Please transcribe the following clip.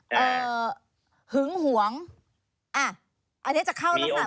เอ่อหึงหวง